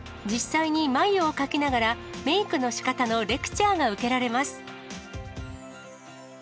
実際に眉を描きながら、メークのしかたのレクチャーが受けられます。